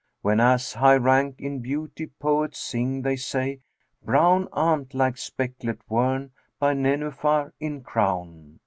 Whenas high rank in beauty poets sing, they say * Brown ant like specklet worn by nenuphar in crown.